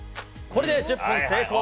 これで１０本成功。